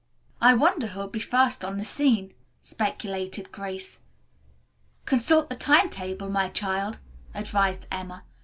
"I wonder who will be first on the scene," speculated Grace. "Consult the time table, my child," advised Emma.